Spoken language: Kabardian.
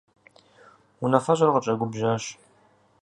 Унафэщӏыр къытщӀэгубжьащ.